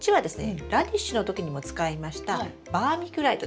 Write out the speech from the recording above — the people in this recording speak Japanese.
ラディッシュの時にも使いましたバーミキュライトです。